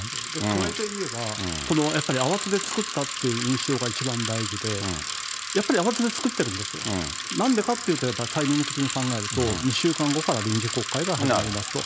加えて言えば、やっぱり慌てて作ったという印象が一番大事で、やっぱり慌てて作ってるんですよ、なんでかっていうと、タイミング的に考えると、２週間後から臨時国会が始まりますと。